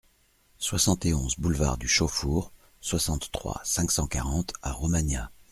soixante et onze boulevard du Chauffour, soixante-trois, cinq cent quarante à Romagnat